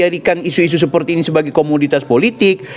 hanya diharikan isu isu seperti ini sebagai komoditas politik